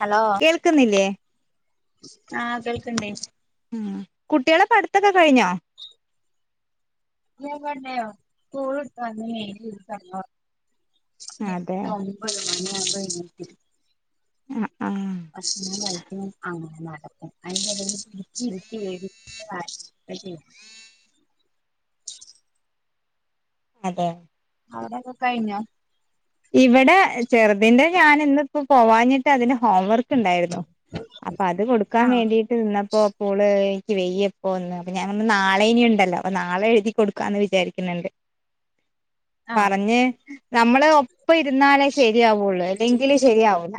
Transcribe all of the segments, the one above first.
Hello കേൾക്കുന്നില്ലേ ആഹ് കേൾക്ക്ണ്ടേ ഉ കുട്ടികളെ പടുത്തൊക്കെ കഴിഞ്ഞോ [unintelligible] എട്ട് അതെ ഒൻമ്പത് മണിയാകുമ്പോ നിക്ക ഉം [unintelligible] ആ നടക്കും [unintelligible] അതെ അടെക്കെ കഴിഞ്ഞോ ഇവിടെ ചെറുതിന്റെ ഞാൻ ഇന്ന് ഇപ്പോ പോവഞ്ഞിട്ട് അതിന്റെ ഹോംവർ ണ്ടായിരുന്നു അപ്പൊ അത് കൊടുക്കാൻ ആഹ് വേണ്ടിട്ട് നിന്നപ്പോ അപ്പോള് ക്ക് വയ്യപ്പോന്ന് അപ്പൊ ഞാൻ പർന്ന് നാളേനിണ്ടല്ലോ അപ്പൊ നാളെ എഴുതി കൊടുക്കാന്ന് വിചാരിക്കുന്നുണ്ട് ആഹ് പറഞ്ഞ് നമ്മള് ഇപ്പ ഇരുന്നാലേ ശരിയാവുള്ളൂ അല്ലെങ്കില് ശരിയാവല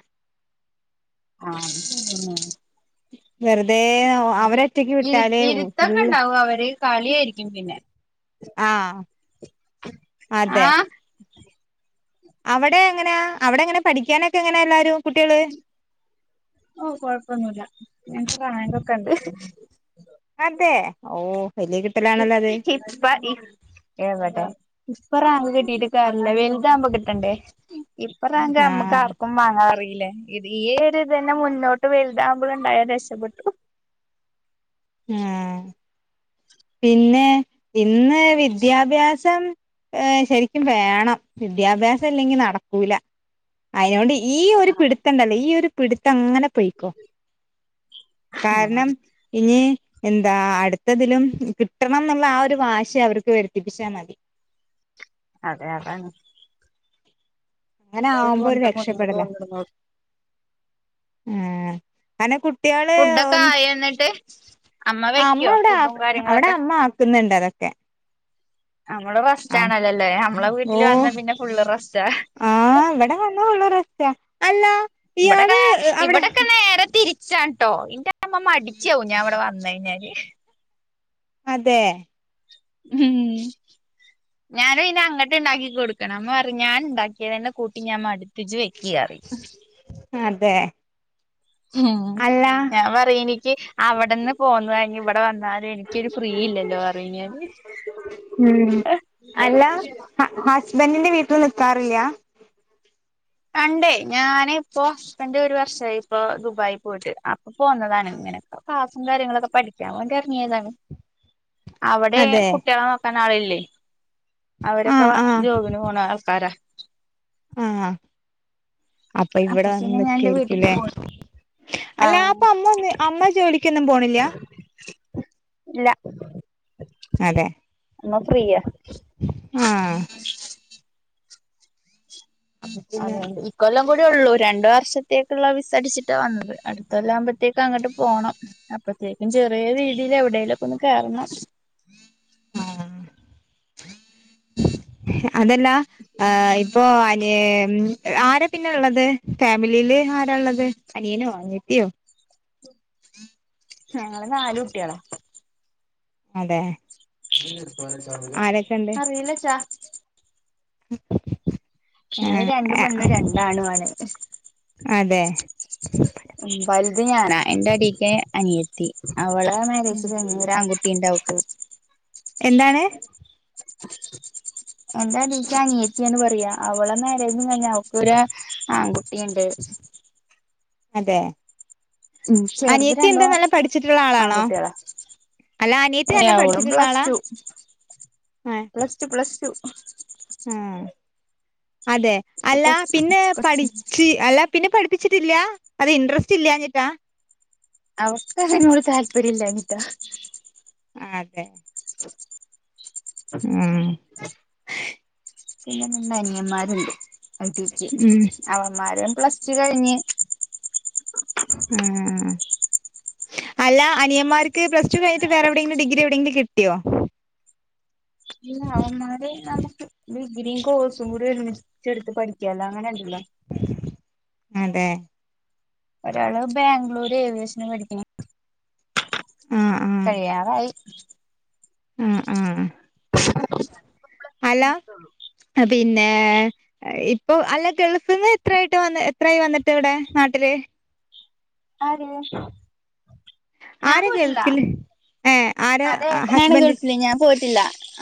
ആഹ് വെറുതെ അവരൊറ്റക്ക് ഇരു വിട്ടാല് ഫുള്ള് ഇരുത്തൊക്കെണ്ടാവും അവര് കളിയായിരിക്കും പിന്നെ ആഹ് ആ അതെ അവിടെ എങ്ങനെയാ അവിടെ എങ്ങനെ പഠിക്കാനൊക്കെ എങ്ങനാ എല്ലാരും കുട്ടികള് ഓ കൊഴപ്പൊന്നുല്ല നങ്ങക് റാങ്കൊക്കെണ്ട് അതെ ഓ വലിയ ഇ കിട്ടലാണല്ലോ അത് ഇപ്പ ഇ എവടെ ഇപ്പൊറങ്ക് കിട്ടിട്ട് കാര്യല്ല വെൽതാമ്പോ കിട്ടണ്ടേ ഇപ്പൊ റാങ്ക് ആഹ് നമ്മക്കാർക്കും വാങ്ങാറി ല്ലേ ഇ ഈ ഒരു ഇതെനെ മുന്നോട്ട് വലുതുമ്പോഴ ഇണ്ടായ രക്ഷപ്പെട്ടു ആഹ് പിന്നെ ഇന്ന് വിദ്യാഭ്യാസം ഏർ ശരിക്കും വേണം വിദ്യാഭ്യാസം ഇല്ലെങ്കി നടക്കൂല അയോണ്ട് ഈ ഒരു ആഹ് പിടുത്തണ്ടല്ലോ ഈ ഒരു പിടുത്ത അങ്ങനെ പൊയിക്കോ ആഹ് കാരണം ഇനി എന്താ അടുത്തതിലും കിട്ടണന്നിള്ള ആ ഒരു വാശ അവർക്ക് വരുത്തിപ്പിച്ചാൽ മതി അതെ അതാണ് അങ്ങനെ അവര് ആവുമ്പോ ഒരു കൊണ്ട് രക്ഷപ്പെടല [unintelligible] ഉം അന കു ട്ട്യാള് ഫുഡൊക്കെ ഒന്ന് ആയോ എന്നിട്ട് അമ്മ വെക്കുവോ അവിടെ ആ ഫുഡും അവിടെ കാര്യങ്ങളൊക്കെ അമ്മ ആക്കുന്നുണ്ട് തൊ ക്കെ നമ്മുടെ റസ്റ്റാണല്ലോല്ലേ നമ്മളെ വീട്ടിൽ ഓ വന്ന പിന്നെ ഫുള്ള് റസ്റ്റാ ആഹ് ഇവിടെ വന്നള്ള രസ്റ്റ അല്ല ഇയാള് അവിടെ തിരിച്ചാൺട്ടോ ഇന്റെ അമ്മ മടിച്ച്യാവും ഞാൻ അവിടെ വന്ന കഴിഞ്ഞാല് അതെ ഉം ഞാനും ഇനി അങ്ങോട്ട് ഉണ്ടാക്കി കൊടുക്കണം അമ്മ പറ ഞാൻ ഉണ്ടാക്കിയതന്നെ കൂട്ടി ഞാൻ മടു തിജ വെക്കറി അതെ ആഹ അല്ല ഞാൻ പറയും എനിക്ക് അവിടന്ന് പോന്ന കഴ ഇവിടെ വന്നാലും എനിക്കൊരു ഫ്രീ ഇല്ലല്ലോ പറു കഴഞ്ഞാല് ഉം അല്ല ബെന്നിന്റെ വീട്ടിൽ നിക്കാറില്ല കണ്ടേ ഞാന് ഇപ്പോ ഹസ്ബൻഡ് ഒരു വർഷമായി ഇപ്പൊ ദുബായി പോയിട്ട് അപ്പൊ പോന്നതാണ് ഇങ്ങനെ അെക്ാസും കാര്യങ്ങളൊക്കെ പഠിക്കാൻ വേണ്ടി അറിയതാണ് ഉ അവിടെ കുട്ടികളെ നോക്കാൻ ആളില്ലേ ആഹ് അവരൊക്കെ ജോബിന് പോണ ആൾക്കാരാ ആഹ അപ്പൊ ഇവിടെ പിന്നെ ഞാൻ എന്റെ വീട്ടിക്ക് വന്നക്കായിരിക്കല്ലേ പോയി അല്ല ആഹ് അപ്പൊ അമ്മ ഒ അമ്മ ജോലിക്കൊന്നും പോണില്ല ഇല്ല അതെ നക്കരിയാ ആഹ പിന്നെ അതെയണ്ട് ഇക്ക കൊല്ലം കൂടി ഉള്ളൂ രണ്ട വർഷത്തേക്കുള്ള വിസ് അടിച്ചിട്ടാണ് വന്നത് അടുത്തൊല്ല ആുമ അത്തേക്ക അങ്ങോട്ട് പോകണം അപ്പഴത്തേക്കും ചെറിയ രീതിൽ എവിടേലുംൊക്കെ ഒന്ന് കേയറണം ആഹ അതല്ലഹ ഇപ്പോൊ അന ഉം ആരാ പിന്നെള്ളത് ഫാമിലിയില് ആരാള്ളത് അനിയനോ അനേത്തിയോ അ ഞങ്ങള് നാല കുട്ടിയളാ അതെ അറി ഇല്ല ചാ ഉ ഞങ്ങള് രണ്ടും മണ്ും രണ്ടാണു ആണ അതെ ഉ ബൈ അത് ഞാനാ എൻന്റെ അടക്ക് അനിയത്തി അവളെ മരേജ ഉം കഴ ഒരു ആൺകുട്ടി ഉണ്ടക്ക് എന്താണ് എന്താീക്ക് അനിയത്തിന്ന് പറയാ അവളെ മരേജിഞ്ഞ അവക്ക്ൊരു ആൺകുട്ടിയുണ്ട് അതെ ഉം ചെറുത് അനിയത്തി എന്താ രണ്ടും നല്ല പഠിച്ചിട്ടുള്ള ആളാണോ ആൺകുട്ടികളാ അല്ല അനിയത്തെ ഏ തന്നെ അവളും പഠിച്ചിട്ടുള്ള പ്ലസ് ആളാ ടു പ്ലസ് ടു പ്ലസ് ആഹ അതെ ഇപ്പൊ അല്ല പിന്നെ കൊറച്ച് കൊറച്ച് പഠിച്ച് അല്ലാ പിന്നെ പഠ ിച്ചിട്ടില്ല അത് ഇൻട്രസ്റ്റ് ഇല്ലഞ്ഞിട്ടാ അവക്ക അതനോട് താല്പര്യം ഇല്ല അനിത അതെ ആ ഉം പിന്നെ രണ്ട് അനിയന്മാരുണ്ട് അദ്യക്ക് ഉം അടീക്ക് അവന്മാരും പ്ലസ്ടു കഴിഞ്ഞ് ഉം അല്ല അനിയമാർക്ക് പ്ലസ് ടു കഴിഞ്ഞിട്ട് വേറെ എവിടെയെങ്കിലും ഡിഗ്രി എവിടെയെങ്കിലും കിട്ടിയോ പിന്ന അവന്മാര് നമുക്ക് ഡിഗ്രിയും കോഴ്സും കൂടി ഒരുമിച്ച എടുത്ത് പഠിക്കാലോ അങ്ങനെ ഉണ്ടല്ലോ അതെ ഒരാള് ബാംഗ്ലൂരു ഏവിയേഷന് പഠിക്ക ആ ആ ആ [inaudible] ഹലോ പിന്നെ ഏ ഇപ്പൊ അല്ല ഗൾഫിന്ന് എത്രായിട്ട് വന്ന് എത്രായി വന്നിട്ട് ഇവിടെ നാട്ടില് [inaudible] ആര് ഞാൻ ആരാ പോയിട്ടില്ല ഗൾഫില് ഏ ആരാ അത് ഏട്ടനാണ് ഹസ്ബൻഡ് ഗൾഫില് ഞാൻ പോയിട്ടില്ല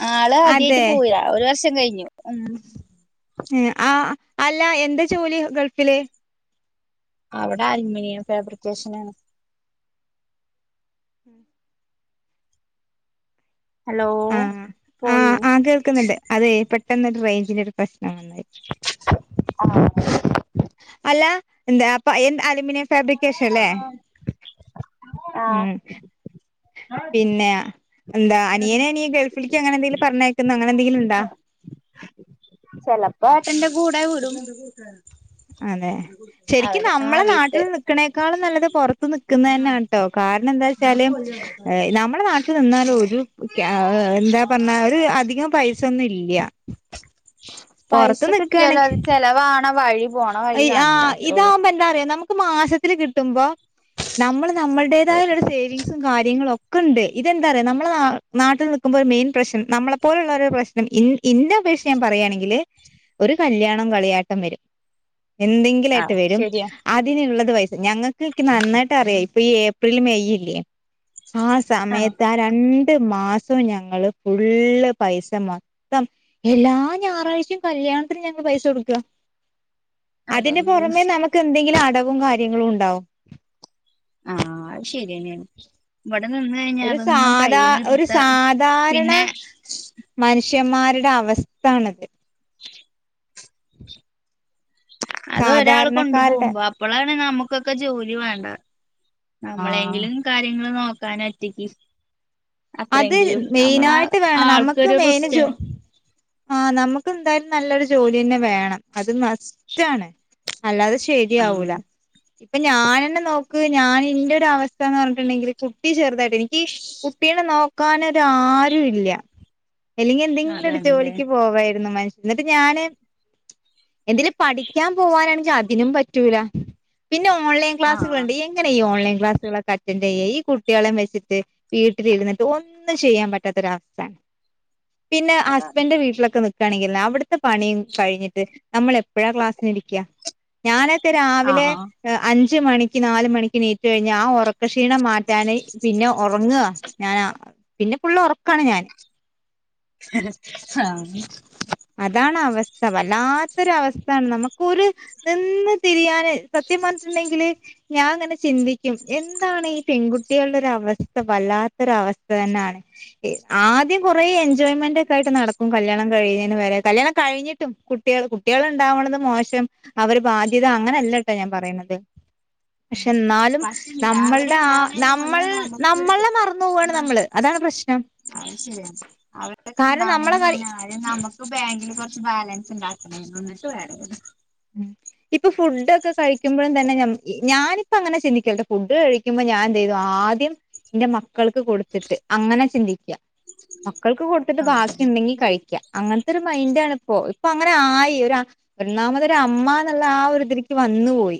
ആള് ആദ്യായിട്ട് അതെ പോവുകാ ഒരു വർഷം കഴിഞ്ഞു ഉം ആ അല്ല എന്താ ജോലി ഗൾഫില് അവിടെ അലുമിനിയം ഫാബ്രിക്കേഷനാണ് ഉം ഹലോ ആ ആ പോയോ ആ കേൾക്കുന്നുണ്ട് അതെ പെട്ടെന്നൊരു റേഞ്ചിന് ഒരു പ്രശ്നം വന്നായി ആ അല്ലാ എന്താ പ്പ എന്താ അലൂമിനിയം ഫാബ്രിക്കേഷൻ അല്ലേ ഉം ആഹ് പിന്നെയാ എന്താ അനിയനെയിനി ഗൾഫിലേക്ക് അങ്ങനെ എന്തേലും പറഞ്ഞേക്കുന്നു അങ്ങനെ എന്തെങ്കിലും ഉണ്ടാ ചെലപ്പോ ഏട്ടന്റെ കൂടെ വിടും അതെ ശരിക്കും അവന് ആ നമ്മളെ നാട്ടിൽ വിസെ നിക്കണേക്കാളും നല്ലത് പുറത്ത് നിക്കുന്ന തന്നാട്ടോ കാരണം എന്താച്ചാല് നമ്മുടെ നാട്ടിൽ നിന്നാലും ഒരു കാ എന്താ പറഞ്ഞാ ഒരു അധികം പൈസയൊന്നും ഇല്ലൃ പൈസ കിട്ടിയാലോ അത് ചെലവാണ വഴി പോണ വഴി അയ് ആ കാണില്ല അത്രേ ഉള്ളൂ ഇതാവ്മ്പൊ എന്താന്നറിയോ നമുക്ക് മാസത്തിൽ കിട്ടുമ്പോ നമ്മൾ നമ്മടേതായുള്ളൊരു സേവിങ്സും കാര്യങ്ങളും ഒക്കെ ക്കുണ്ട് ഇതെന്താറിയോ നമ്മളെ നാ നാട്ടിൽ നിൽക്കുമ്പോൾ ഒരു മെയിൻ പ്രശ്നം നമ്മളെപ്പോലുള്ളവരുടെ പ്രശ്നം ഇന് ഇന്നപേക്ഷിച്ച് ഞാൻ പറയുകയാണെങ്കില് ഒരു കല്യാണം കളിയാട്ടം വരും എന്തെങ്കിലും ആയിട്ട് ആഹ് വരും ശരിയാ അതിനുള്ളത് വൈഫ് ഞങ്ങക്ക് ക്ക് നന്നായിട്ടറിയാം ഇപ്പൊ ഈ ഏപ്രില് മെയ്യില്ലേ ആ ആഹ് സമയത്ത് ആ രണ്ട് മാസ് സവും ഞങ്ങള് ഫുള്ള് പൈസ മൊത്തം എല്ലാ ഞായറാഴ്ചയും കല്യാണത്തിനു ഞങ്ങക് പൈസ കൊടുക്കുക അതന്നെയാണ് അതിനുപുറമെ നമുക്ക് എന്തെങ്കിലും അടവും കാര്യങ്ങളും ഉണ്ടാവും ആ അത് ശെരിയെന്നെയാണ് ഇവിടെ നിന്നു കഴിഞ്ഞാ ഒരു അതൊന്നും സാധാ ഒരു കൈന്നെടുത്താ സാധാരണ പിന്നെ മനുഷ്യന്മാരുടെ അവസ്ഥ ആണത് [inaudible] അത് ഒരാൾ കൊണ്ടു സാധാരണക്കാരുടെ പോകുമ്പോ അപ്പളാ അ നമുക്കൊക്കെ ജോലി വേണ്ട ആഹ് നമ്മളെയെങ്കിലും കാര്യങ്ങൾ നോക്ക ക്കാറ്റൊയ്ക്ക് അത് മെയിനായിട്ട് വേണം നമ്മക്ക് ആൾക്കൊരു മെയിന് റിസ്റ്റ് ജോ ആ നമുക്കെന്തായാലും നല്ലൊരു ജോലിന്നെ വേണം അത് മസ്റ്റാണ് അല്ലാതെ ശരിയാവൂല ആഹ് ഇപ്പൊ ഞാനെന്നെ നോക്ക് ഞാൻ എന്റെറെ ഒരു അവസ്ഥ എന്നുപറഞ്ഞിട്ടുണ്ടെങ്കിൽ കുട്ടിചെറുതായിട്ട് എനിക്ക് കു കുട്ടീനെ നോക്കാനൊനാരൂല്ലാ അല്ലെങ്കി എന്തെങ്കിലും ഒരു അതാണല്ലേ ജോലിക്കുപോകായിരുന്നു മനുഷ്യ എന്നിട്ട് ഞാന് എന്തേലും പഠിക്കാൻ പോവാനാണെങ്കിൽ അതിനും പറ്റൂല പിന്നെ ഓൺലൈൻ ആഹ് ക്ലാസുകളുണ്ട് എങ്ങനെ ഈ ഓലൈൻ ക്ലാസുകളൊക്കെ അറ്റൻഡ് ചെയ്യാ ഈ കുട്ടികളെ വെച്ചിട്ട് വീട്ട് ട്ടി ഇരുന്നിട്ട് ഒന്നും ചെയ്യാൻ പറ്റാത്തൊരവസ്ഥ പിന്നെ അതാണ് ഹസ്ബൻന്റെ വീട്ടിലൊക്കെ നി ണെങ്കില് അവിടത്തെ പണിയും കഴിഞ്ഞിട്ട് നമ്മള് എപ്പോഴാ ക്ലാസിന് ഇരിക്കാ ഞാനൊക്കെ രാവിലെ ആഹ് അഞ്ച് അഞ്ചു മണിക്ക് നാലുമണിക്ക് നീറ്റ് കഴിഞ്ഞാ ആ ഉറക്കക്ഷീണം മാറ്റാനായ് പിന്നെ ഉറങ്ങുക ഞാനാ പിന്നെ ഫുള്ള് ഉറക്കാണ് ഞാന് [unintelligible] അതാണ് അവസ്ഥ വല്ലാത്തൊരു അവസ്ഥയാണ് നമുക്കൊരു നിന്ന് തിരിയാന് [unintelligible] കൃത്യം പറഞ്ഞിട്ടുണ്ടെങ്കില് ഞാ അങ്ങനെ ചിന്തിക്കും എന്താണ് ഈ പെൺകുട്ടികളുടെരവസ്ഥ വല്ലാ ത്തൊരവസ്ഥ തന്നാണ്, ഇ ആദ്യം കൊറേ എൻജോയ്മെന്റ് ഒക്കെ ആയിട്ട് നടക്കും കല്യാണം കഴിഞ്ഞ് [unintelligible] കല്യാണം കഴിഞ്ഞിട്ടും കുട്ടികള് കുട്ടികൾ ഇണ്ടാവണത് മോശം അവര് ബാധ്യത അങ്ങനെല്ലട്ടോ ഞ പറയണത്. പക്ഷേ എന്നാലും പക്ഷെ അവരെ നമ്മൾടെ ആ ഉണ്ടാവണേന് മുന്നേ നമ്മൾ നമുക്കൊരു നമ്മളെ മറന്നു പോവാണ് നമ്മള് അതാണ് പ്രശ്നം. അത് ശെരിയ അവരൊക്കെ കാരണം നമ്മളെ ഇണ്ടാവണെന് കാര്യ മുന്നേ [unintelligible] നമുക്കും ബാങ്കിൽ കൊറച്ച് ബാലൻസ് ഇണ്ടാക്കണ ന്നിട്ട് വേറെ മ് ഇപ്പോ ഫുഡ് ഒക്കെ കഴിക്കുമ്പഴും തന്നെ ഞം ഞാനിപ്പ അങ്ങനെ ചിന്തിക്കലിണ്ട് ഫുഡ് കഴിക്കുമ്പം ഞാൻ ചെയ്തു ആദ്യം എന്റെ മക്കൾക്ക് കൊടുത്തിട്ട് അങ്ങനെ ചിന്തിക്ക മ മക്കൾക്ക് കൊടുത്തിട്ട് ബാക്കി ഉണ്ടെങ്കി കഴിക്ക. അങ്ങനത്തെ ഒരു മൈൻഡാണ് ഇപ്പോ, ഇപ്പോ അങ്ങനെ ആയി ഒര് ആ ഒന്നാമത് ര് അമ്മ എന്ന്ള്ള ആ ഒരു ഇതിരിക്ക് വന്ന് പോയി.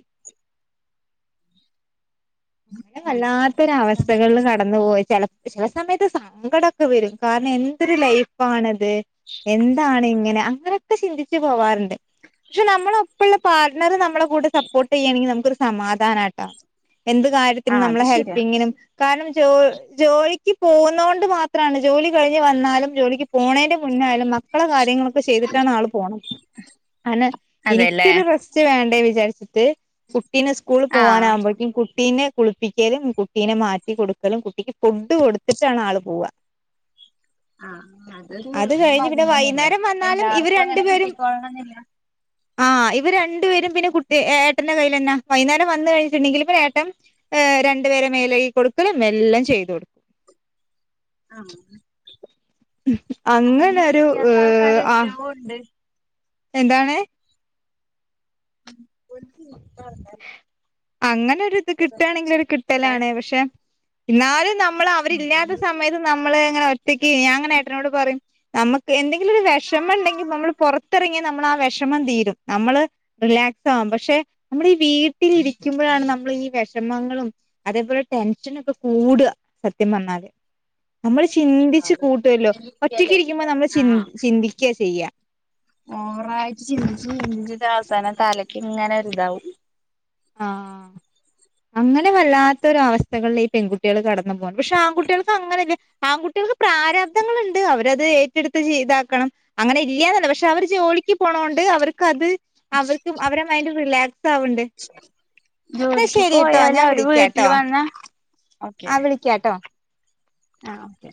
അങ്ങന വല്ലാത്തൊരവസ്ഥകളിൽ കടന്നു പോയി ചെല ചെല സമയത്ത് സങ്കടോക്കെ വരും, കാരണം എന്തൊരു ലൈഫാണത്, എന്താണ് ഇങ്ങനെ അങ്ങനെയൊക്കെ ചിന്തിച്ചു പോവാറിണ്ട്. പക്ഷേ നമ്മള ഒപ്പള്ള പാർട്ണർ നമ്മളെ കൂടെ സപ്പോർട്ട് ചെയ്യുകയാണെങ്കിൽ നമുക്കൊരു സമാധാനാട്ടോ. എന്ത് കാര്യത്തിനും ആഹ് അത് നമ്മളെ ശരിയാ ഹെൽപ്പിങ്ങിനും കാരണം ജോ ജോലിക്ക് പോകുന്ന കൊണ്ട് മാത്രാണ് ജോലി കഴിഞ്ഞ് വന്നാലും ജോലിക്ക് പോണേന്റെ മുന് ന്നായാലും മക്കളെ കാര്യങ്ങളൊക്കെ ചെയ്തിട്ടാണ് ആൾ പോണത്. അന അതെല്ലേ എനിക്കൊരു റെസ്റ്റ് വേണ്ടേ വിചാരിച്ചിട്ട് കു കുട്ടിന സ്കൂൾ ആഹ് പോകാനാവ്മ്പഴേക്കും കുട്ടിനെ കുളിപ്പിക്കലും കുട്ടിനെ മാറ്റി കൊടുക്കലും കുട്ടിക്ക് ഫുഡ് കൊടുത്തിട്ടാണ് ആള് പോവാ. ആ അതൊരു കഴിഞ്ഞ് പിന്നെ ഭാഗ്യം തന്നെയല്ലേ വൈകുന്നേരം വന്നാലും എല്ലാർക്കും അങ്ങനെ കിട്ടിക്കോളണംന്നില്ല. ആ ഇവര് രണ്ട് പേരും പിന്നെ കുട്ടി ഏട്ടന്റെ കയ്യിൽ തന്ന വൈന്നേരം വന്ന് കഴിഞ്ഞിട്ടുണ്ടെങ്കിൽ ഇപ്പ ഏട്ടൻ ഏ രണ്ടു പേരെ മേല് കഴുകി കൊടുക്കലും എല്ലാം ചെയ്തു കൊടുക്കും. ആ [unintelligible] അങ്ങനെ അങ്ങനൊരു ചെയ്യാത്ത ഏഹ് ആൾക്കാര് ആഹ് എത്രയോ ഒണ്ട്. എന്താണ് അങ്ങനൊര് ഇത് കിട്ടാണെങ്കിൽ ഒരു കിട്ടലാണ്, ഉണ്ട് പക്ഷേ എന്നാലും നമ്മള് അവരില്ലാത്ത സമയത്ത് നമ്മള് ഇങ്ങനെ ഒറ്റക്ക് ഞാൻ അങ്ങനെ ഏട്ടനോട് പറയും നമ്മക്ക് എന്തെങ്കിലും ഒരു വെഷമം ഇണ്ടെങ്കിൽ നമ്മള് പൊറത്തിറങ്ങിയ നമ്മളാ വെഷമം തീരും, നമ്മള് റിലാ [unintelligible] പക്ഷേ നമ്മൾ ഈ വീട്ടിലിരിക്കുമ്പഴാണ് നമ്മൾ ഈ വെഷമങ്ങളും അതേപോലെ ടെൻഷനൊക്കെ കൂ ഊട സത്യം പറന്നാല് നമ്മള് ചിന്തിച്ച് കൂട്ടുല്ലോ ഒറ്റക്ക് നെല്ലിക്കല്ലേ ഇരിക്കുമ്പ നമ്മൾ ചിന് ആഹ് ചിന്തിക്ക ചെയ്യാ. ഓവറായിട്ട് ചിന്തിച്ച് ചിന്തിച്ചിട്ട് അവസാനം തലക്ക് ഇങ്ങനെ ഒരിതാവും. ആ അങ്ങനെ വല്ലാത്തൊരവസ്ഥകളിൽ ഈ പെൺകുട്ടികള് കടന്നു പോണ പക്ഷേ ആകുട്ടികൾക്ക് അങ്ങനെല്ലെ ആകുട്ടികൾക്ക് പ്രാ പ്രാരാബ്ദങ്ങൾ ഇണ്ട് അവരത് ഏറ്റെടുത്ത് ജീ ഇതാക്കണം, അങ്ങനെ ഇല്യാന്നല്ല പക്ഷേ അവര് ജോലി ക്ക് പോണോണ്ട് അവർക്ക് അത് അവർക്ക് അവര മൈൻഡ് റിലാക്സ് ആവ്ണ്ട്. ന്നാ ജോലിക്ക് ശരിട്ടോ പോയാല ഞാൻ അവര് വീട്ടിൽ വിളിക്കാട്ടോ വന്ന ആ വിളിക്കാട്ടോ. ആ ഓക്കെ.